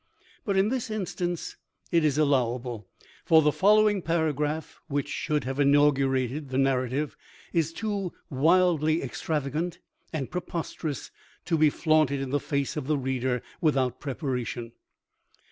But in this instance it is allowable. For the following paragraph, which should have inaugurated the narrative, is too wildly extravagant and preposterous to be flaunted in the face of the reader without preparation.